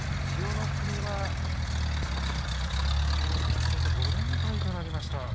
千代の国、きょうも敗れて５連敗となりました。